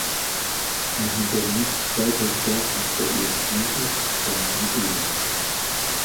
Er hinterließ zwei Töchter aus der ersten und zweiten Ehe.